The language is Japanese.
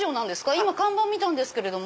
今看板見たんですけれども。